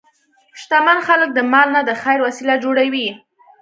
شتمن خلک د مال نه د خیر وسیله جوړوي.